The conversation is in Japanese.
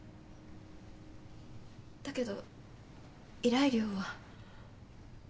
だけど依頼料は？